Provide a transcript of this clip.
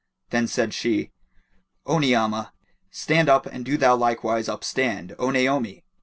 Then said she, "O Ni'amah, stand up and do thou likewise up stand, O Naomi!"